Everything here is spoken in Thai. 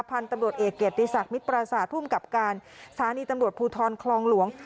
พันธุ์ตำรวจเอกเกียรติศักดิ์มิตรปราศาสตร์ภูมิกับการสถานีตำรวจภูทรคลองหลวง